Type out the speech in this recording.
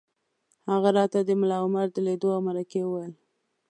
هغه راته د ملا عمر د لیدو او مرکې وویل